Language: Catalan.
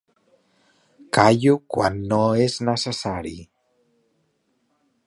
Callo quan no és necessari.